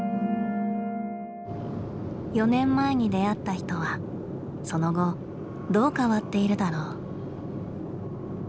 ４年前に出会った人はその後どう変わっているだろう。